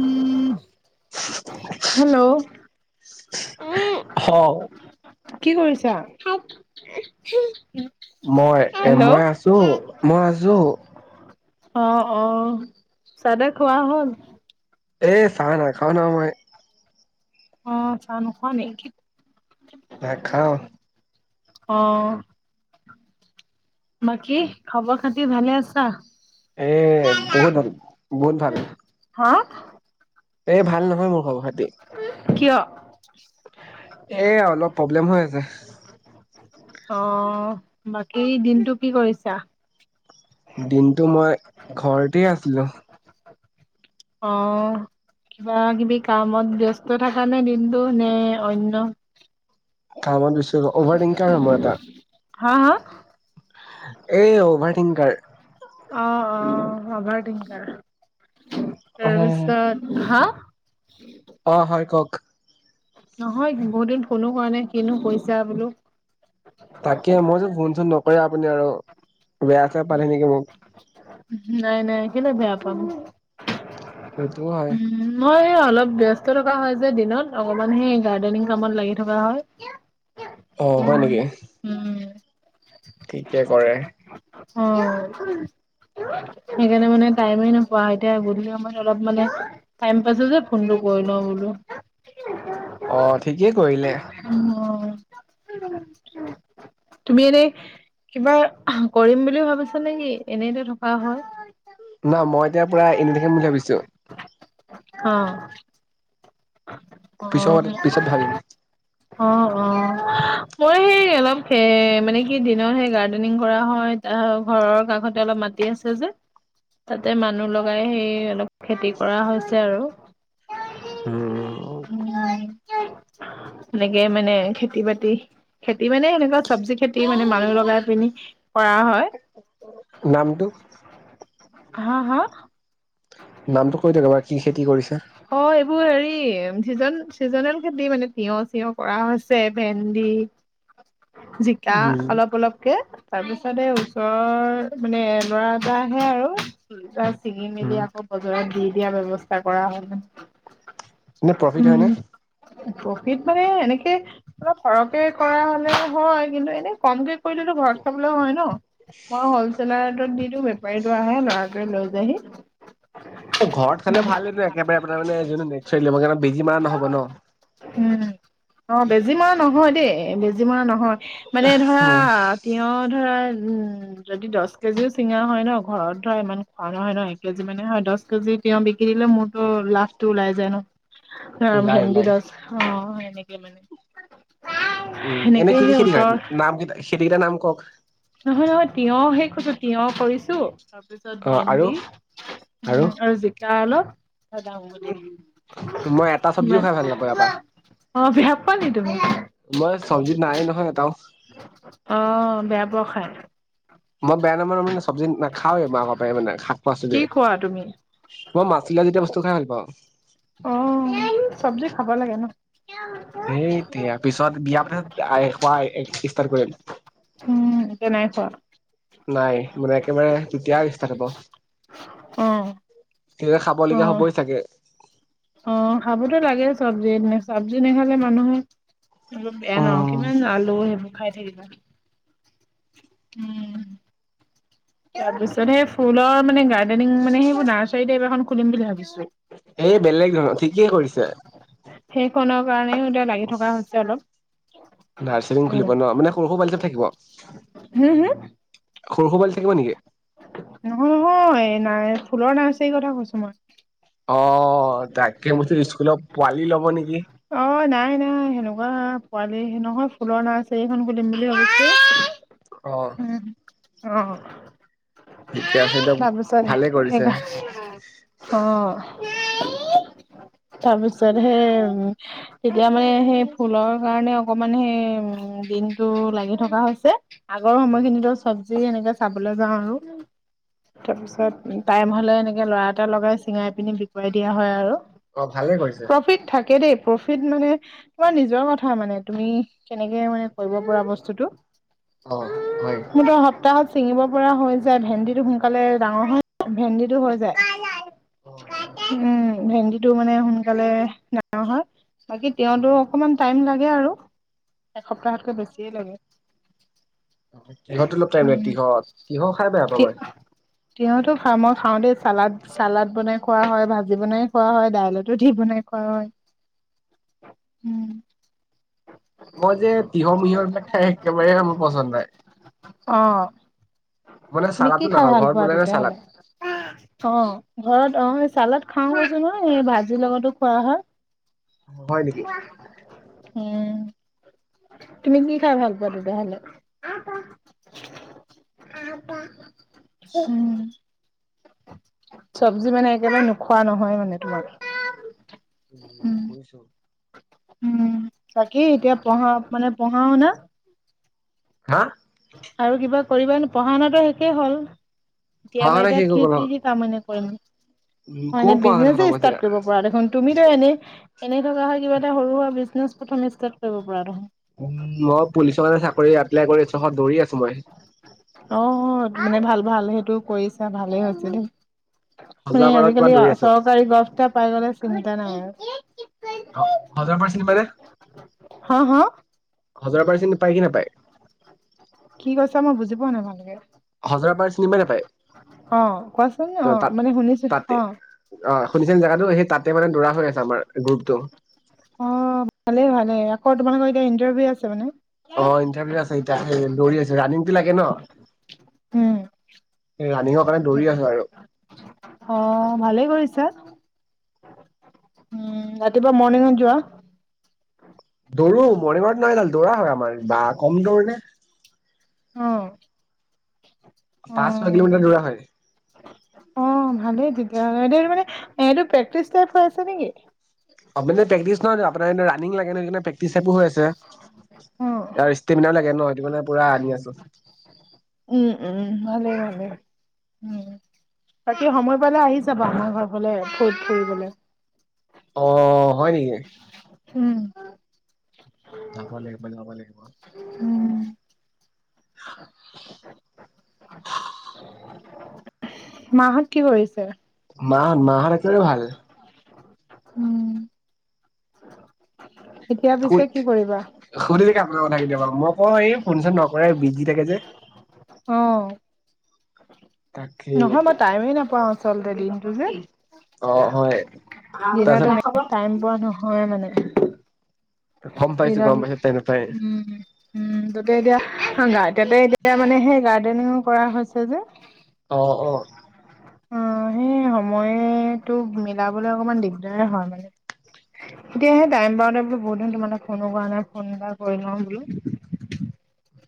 [inaudible] Hello? ঔ। কি কৰিছা? মই এ হেল্ল' মই আছো-মই আছো অহ-অহ, চা তা খোৱা হল? এ চাহ নাখাওঁ ন মই। অহ চাহ নোখোৱা নি? নে খাওঁ। অহ বাকি, খবৰ খাতি ভালে আছা? এ বহুত ভাল-বহুত ভাল। হা? এ ভাল নহয় মোৰ। খবৰ খাতি কিয়? এ অলপ প্ৰব্লেম হৈ আছে। অহ, বাকী দিনতটো কি কৰিছা? দিন টো মই ঘৰতেই আছিলো। অহ কিবা কিবি কামত ব্যস্ত থকা নে দিনটো নে ঐন? কামত দিছোঁ অভাৰটিংকাৰ হোম মই এটা, হা হা? এই অভাৰটিংকাৰ। অভাৰ্থিনকাৰ। অ তাৰ পিছত হা? [unintelligible] অহ হয় কওক? নহয় বহুত দিন ফোনও কাৰ নাই কিনো কৰিছা বোলো। [unintelligible] নে আৰু বেয়া চেয়া পালে নেকি মোক। নাই নাই কেলে বেয়া পাম। সেইটোও হয়। উম, মই এ অলপ বিয়ুস্ত থকা হয় যে দিনত অকমান সেই গাৰ্ডেনিং কামত লাগি থকা হয়। অহ, হয় উম, নেকি? উম, ঠিকে কৰে। অহ। সেইকাৰণে মানে টাইম নোপোৱা হয় এতিয়া গধলি সময়ত অলপ মানে টাইম পাছো যে ফোনটো কৰি লওঁ বোলো। অ [unintelligible] ঠিকেই কৰিলে অহ। তুমি এনেই কিবা কৰিম বুলিও ভাবিছা নেকি? এনেইতে থকা হয়। ন মই এতিয়া পুৰা এনেই থাকিম বুলি ভাবিছো। অহ। পিছত অহ পিছত ভাবিম [unintelligible] অহ। অ মই সেই অলপ মানে কি দনৰত সেই গাৰ্ডেনিং কৰা হয় ত ঘৰৰ কাষতে অলপ মাটি আছে যে তাতে মানুহ লগাই সেই অলপ খেতি কৰা হৈছে আৰু। উম। এনেকে মানে খেতি বাতি খেতি মানে এনেকুৱা চবজি খেতি মানে মানুহ লগাই পিনি কৰা হয়। নামটো। হা হা। নামটো কৈ দিয়ক বাৰ কি খেতি কৰিছে। অ এইবোৰ হেৰি। চিজন চিজনেল খেতি মানে তিয়হ চতিয়হ কৰা হৈছে ভেন্দি। জিকা উম অলপ অলপকে। তাৰ পিছতে এই ওচৰৰ মানে ল'ৰা এটাাহে আৰু ছিঙি উম মেলি আকৌ বজাৰত দি দিয়া ব্যৱস্থা কৰা হল। উ। এনে প্ৰফিট হয়নে। প্ৰফিট মানে এনেকে অলপ সৰহকে কৰা হলে হয় কিন্তু এনে কমকে কৰিলেতো ঘৰত চাবলৈ হয় ন। মই হলচেলাৰ লেখত দিও। বেপাৰী লৰা আহে লৰাটোৱ লৈ যায়হি। ঘৰত খালেও ভাল হয় নো একেবাৰে। মানে বেজি মাৰ নহব ন। এ বেজি মৰা নহয়। মানে ধৰা উম তিয় ধৰা। উম যদি দহ কেজিও চিঙা হয় ন ঘৰত ধৰা ইমান খোৱা নহয় ন এক কেজি মানে হয় দহ কেজি তেওঁ বিকি দিলে। অ লাভটো ওলাই যায় ন। ন ওলাই ভেন্দী ওলাই দচ অ। সনেকে মানে। উম এনে সেনেকে কি কি সেই খেতি কৰে ওচৰৰ নাম কেইটা খেতিকেইটা নাম। কওক। নহয় নহয় তিয় সেই কছ। তিঁয়হ কৰিছো। তাৰপিছত অ আৰু ভেন্দি উ আৰু জিকা অলপ। ডাঙবডি। মই এটা চব্জিও খাই ভাল নাপওঁ এয়াপা। অ বেয়া পোৱা নেকি তুমি। মই চব্জিত নাই নহয় এটাও। আহ বেয়া পোৱা খাই। মই বেয়া নাম্ব মানে চব্জি নাখাওৱে মাকৰ পৰা মানে শাক পা যে কি খোৱা তুমি মই মাছল যেয়া বস্তু খাই ভাল পাওঁ। অহ চব জি খাব লাগে ন। সেইতিয়া পিছত বিয়া পতা আই খোৱা ই ষ্টাৰ্ট কৰিম। উম এতিয়া নাই খোৱা নাই, মানে একেবাৰে তেতিয়া ষ্টাৰ্ট হব, অ তেতিয়া খাব অ লগীয়া হবই চাগে। অ খাবতো লাগে চব্জি, চব্জি নেখালে মানুহে অলপ বেয়া ন উম কিমান আলো সেইবোৰ খাই থাকিবা, উম। তাৰ পিছত, সেই ফুলৰ মানে গাৰ্ডেনিং মানে সেইবোৰ নাৰ্চাৰীতে টাইপ এখন খুলিম বুলি ভাবিছো। এই বেলেগ ধৰণৰ ঠিকেই সেই কনৰ কাৰণে নাৰ্চাৰীং খুলিব ন, মানে সৰু সৰু পোৱালি যে থাকিব হম হম, সৰু সৰু পোৱালি থাকিব নেকি নহয় নহয় নাই, ফুলৰ নাৰ্ছাৰী কথা কৈছো মই। অঁ, তাকে মইচো স্কুলৰ পোৱালি লব নেকি। কোৱা পোৱালি নহয়, ফুলৰ নাৰ্চাৰী এখন খুলিম বুলি ভাবিছো। অ। উম, অ। ঠিকে আছে দিয়ক তাৰ পিছত, ভালে সেই কৰিছে বা, অঁ। তাৰপিছত সেই, তেতিয়া মানে সেই ফুলৰ কাৰণে অকমান সেই দিনটো লাগি থকা হৈছে। আগৰ সময়খিনিতো চব যে এনেকে চাবলৈ যাওঁ আৰু, তাৰ পিছত টাইম হলে এনেকে লৰা এটা লগাই চিঙাই পিনি বিক কৰাই দিয়া হয় আৰু। অ ভালে কৰিছে প্ৰফিট থাকে দেই, প্ৰফিট ফিত মানে তোমাৰ নিজৰ কথা মানে, তুমি কেনেকে মানে কৰিব পৰা বস্তুটো। অ হয় মোৰতো সপ্তাহত চিঙিব পৰা হৈ যায়, ভেন্দিটো সোনকালে ডাঙৰ হয়, ভেন্দিটো হৈ যায়। অ। উম, ভেন্দিটো মানে সোনকালে ডাঙৰ হয়। বাকি তিয়হতো অকমান টাইম লাগ গে আৰু, এসপ্তাহতকৈ বেছিয়ে লাগে। তিহতো অলপ টাইম লৈ উম তিহত, তিহ খাই বেয়া পাওঁ মই। তিহটো ভাল মই খাওঁ দেই, চালড চালড বনাই খোৱা হয়, ভাজি বনাই খোৱা হয়, দাইলতো দি বনাই খোৱা হয়, উম। মই যে তিঁহ মিহৰ বিলাক খাই একেবাৰে মোৰ পচন্দ নাই। অ মানে তুমি চালাদো কি খাই নাখাওঁ ভাল ঘৰত পোৱা বনাই ন চালাদ তেতিয়াহলে? অ, ঘৰত চালাদ খাও বছ নহয় এই ভাজিৰ লগতো খোৱা হয় অ হয় নেকি উম তুমি কি খাই ভাল পোৱা তেতিয়াহলে উ চবজি মানে একেবাৰে নোখোৱা নহয় মানে তোমাক উম বুজিছো উম তাকেই এতিয়া পঢ়া মানে পঢ়া শুনা হা আৰু কিবা কৰিবা পঢ়া শুনাতো শেষেই হ'ল এতিয়া পঢ়া-শুনা বাৰত শেষ হৈ খ গ'ল কি অ', কাম মানে হয় উম, হয় ক'ৰ এনে পঢ়া-শুনা বিজনেচ খতম হৈছে? ষ্টাৰট কৰিব পৰা দেখোন তুমিতো এনে এনেই থকা হয় কিবা এটা সৰু সুৰা বিজনেছ প্ৰথমে ষ্টাৰ্ট কৰিব পৰা নহয় উ মই পুলিচৰ মানে চাকৰি এপ্লাই কৰিছো দৌৰি আছোঁ মই অ মানে ভাল ভাল সেইটো কৰিছা ভালে হৈছে দেই মানে হজৰাপাৰত পৰা আজিকালি দৌৰি আছোঁ। চৰকাৰী গছটা পাই গ'লে চিন্তা নাই অ হাজাৰ পা চিনি পাই নে হাজাৰ পাৰ্চেণ্ট পায় কি নাপায় কি কৈছা মই বুজি পোৱা নাই ভালকে হজৰা পাৰ চিনিমাই অ' কোৱাচোন নাপায় অ তাত মানে শুনিছো তাতে অ'। অ শুনিছে জেগাটো সেই তাতে মানে দৌৰা হৈ আছে আমাৰ গ্ৰুপটো। অ' ভালেই ভালে তোমালোকৰ এতিয়া ইণ্টাৰভিউ আছে মানে অ ইণ্টাৰভিউ আছে এতিয়া দৌৰি আছো ৰাণিংটো লাগে ন উম। সেই ৰাণিঙৰ কাৰণে দৌৰি আছো আৰু অ' ভালেই কৰিছা উম ৰাতিপুৱা মৰৰ্ণিংত যোৱা দৌৰো মৰনিঙত দৌৰা হয় আমাৰ বাঘ কম দৌৰনে অ পাঁচশ অ' কিলোমিটৰ দৌৰা হয় ভাল তেয়ানেটো প্ৰে্টিচটাইপ হৈ আছে নেকি প্ৰেকটিচ নহয় আপোন ৰাণিং লাগে প্ৰেকচটো হৈ আছে অ' ইয়াৰ ইস্তেনদাৰ লাগে ন সেটো মানে পুৰা [unintelligible] আছো উম-উম-উম ভালেই-ভালে উম। বাকী সময় পালে আহি যাবা আমাৰ ঘৰ ফালেত ফু ফুৰিবলে। অ হয় নেকি? উম। যাব লাগিব-যাবা লাগিব। উম, মাহত কি কৰিছে? মাহ-মাহত-মাহত একও ভাল। উম। এতিয়া পিছে সু-সুধিল কি কৰিবা? থে আপোনাৰ কথা কেতিয়া ক মই কওঁ এই ফোন চোন নকৰেই বিজি থাকে যে। অ', তাকে নহয় মই টাইমে নাপাওঁ আচলতে দিনতটো যে। অ হয় দিনত তাৰপিছত সেনে টাইম পোৱা নহয় মানে। [unintelligible] গম পাইছো দিনত, গম পাইছো তেনেকুৱাই উম-উম ততে এতিয়া গা তাতে এতিয়া মানে সেই গাৰ্ডেনিংউ কৰা হৈছে যে। অহ-অহ। অহ সেই সময়টো মিলাবলৈ অকমান দিগদাৰ হয় মানে। এতিয়া সেই টাইম পাওতে বোলো বহুতদিন তোমালটা ফোনো কৰা নাই ফোন এটা কৰি লওঁ বোলো।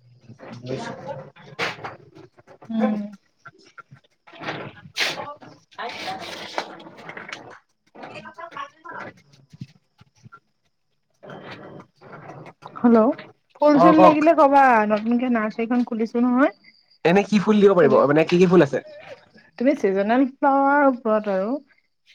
[unintelligible] উম, [unintelligible] [unintelligible] [unintelligible] হেল্ল'? অ ফুলচোল কওক লাগিলে কবা ন নুনকে নাৰ্চাৰীখন খুলিছো নহয়? এনে কি ফুল দিব পাৰিব, ফুলি মানে কি-কি ফুল আছে? চাৱাৰ ওপৰত আৰু।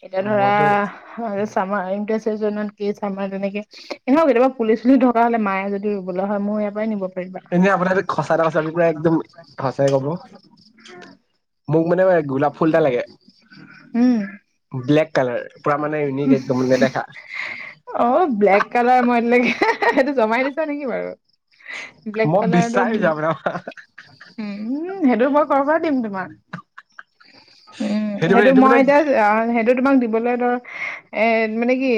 এতিয়া মইতো ধৰা [inaudible] [inaudible] জন কেছ আমাৰ তেনেকে এনেহও কেতিয়াবা পুলি চুলি থকা হলে মায় যদি ৰুবলৈ হয় মোৰ ইয়াৰ পৰাই নিব পাৰিবা এনে আপোনাক খচা টা কৈছে পোৰা একদম সচাই কব। মোক মানে গোলাপ ফুল এটা লাগে, ব্লেক কালাৰ। পুৰা মানে ইউনিক একদম নেদেখা অহ, ব্লেক কালাৰ মই আজিলৈকে [inaudible] সেইটো জমাই দিছ নেকি বাৰু? ব্লেক মই কালাৰ তো। উম। বিচাৰিছো আপোনাৰ সেইটো মই কৰপৰা দিম তোমাক? উম, মানে সেইটো এইটো মই মানে এতিয়া সেইটো তোমাক দিবলৈ এ 'মানে কি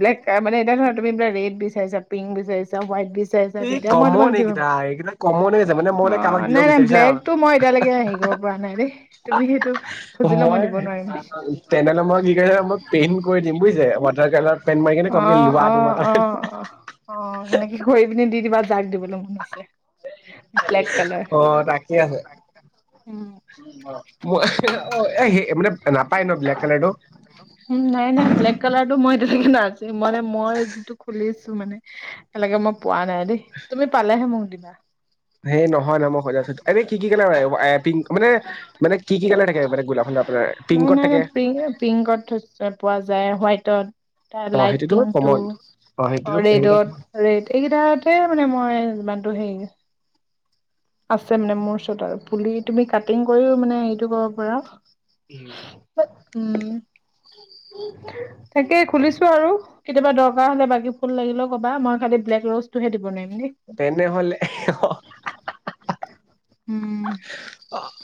ব্লেক মানে এতিয়া ধৰা তুমি ব্লেক ৰেড বিচাৰিছা, পিংক বিচাৰিছা, হোৱাইট বিচ এই কমন এইকেইটা- এইকেইটা কমনে হৈ আছে মানে মোক অ এটা কাবাই দিব নাই নাই বিচাৰিচে হা ব্লেকটো মই এতিয়ালৈকে হেৰি কৰিব [unintelligible] পৰা নাই দেই তুমি সেইটো খুজিলে মই দিব নোৱাৰিম তেনেহলে মই কি [unintelligible] পেইণ্ট কৰি দিম বুজিছে ৱাত অহ - অহ -অহ -অহ - অহ সেনেকে কৰি পিনে দি দিবা। জাক দিবলৈ মন আছে ব্লেক কালাৰ। অ তাকে আছে উম [unintelligible] মই অহ এ' সেই মানে নাপায় ন'ব্লেক কালাৰটো [inaudible] এ'মানে মই যিটো খুলিছো মানে এতিয়ালৈকে মই পোৱা নাই দেই তুমি পালেহে মোক দিবা। এ' পিংক মানে- মানে কি -কি কালাৰ থাকে? মানে গোলাপ ফুল আপোনাৰ অহ, পিংকত নাই থাকে -নাই পিং -পিংকত পোৱা যায় হোৱাইট তত, তাৰ অ লাইট সেইটোতো পিং টো, কমন অ' সেইটোতো সেইকেইটা ৰেডত ৰেড এইকেইটাতে মানে মই যিমানটো হেৰী আছে মানে মোৰ ওচৰত আৰু পুলি তুমি কাটিং কৰিও মানে এইটো কৰিব পাৰা। উম উম তাকে খুলিছো আৰু কেতিয়াবা দৰকাৰ হলে বাকী ফুল লাগিলেও ক'বা মই খালি ব্লেক ৰ'জটোহে দিব নোৱাৰিম। দেই। তেনেহলে অহ [unintelligible] উম [unintelligible] অহ-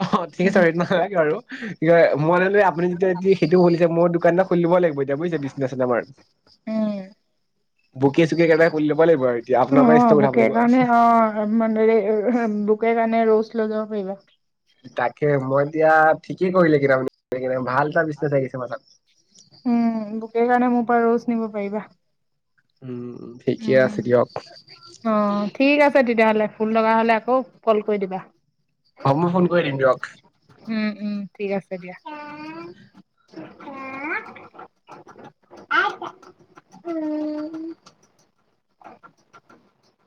হ ঠিক উম। নালাগে [unintelligible] বাৰু। কি কয় মই ললে আপুনি যেতিয়া সেইটো খুলিছে মোৰ দোকান এটা খুলি লব লাগিব এতিয়া বুজিছে বিগনেছত আমাৰ, বুকে -চুকে একেবাৰে খুলি লব লাগিব আৰু এতিয়া আপোনাৰ উম। পৰাই অ ষ্টক উঠাব বুকে লাগিব আৰু। কাৰণে অ মানে বুকে কাৰণে ৰ'জ লৈ যাব পাৰিবা। তাকে মই এতিয়া ঠিকেই কৰিলে [unintelligible] ভাল এটা বিছনেজ আহিছে মাথাত। সেইকাৰণে মোৰ পৰা ৰ'জ নিব পাৰিবা। উম ঠিকে উম, আছে দিয়ক অহ ঠিক আছে। আছে তেতিয়াহলে ফুল লগা হলে আকৌ কল কৰি দিবা। অহ, মই ফোন কৰি দিম দিয়ক। উম উম ঠিক আছে দিয়া [unintelligible] [inaudible]